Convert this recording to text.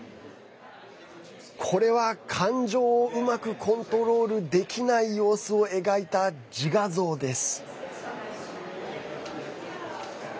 これは感情をうまくコントロールできない様子を描いた自画像です。